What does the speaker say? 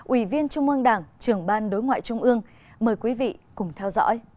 ủy viên trung ương đảng trưởng ban đối ngoại trung ương mời quý vị cùng theo dõi